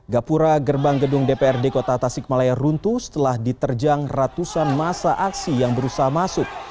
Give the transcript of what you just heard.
gapura gerbang gedung dprd kota tasikmalaya runtuh setelah diterjang ratusan masa aksi yang berusaha masuk